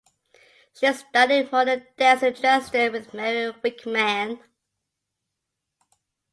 She studied modern dance in Dresden with Mary Wigman.